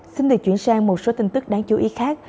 xin được chuyển sang một số tin tức đáng chú ý khác